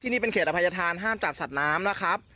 นี่เป็นเขตอภัยธานห้ามจัดสัตว์น้ำนะครับ